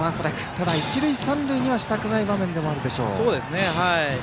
ただ一塁、三塁にはしたくない場面でしょう。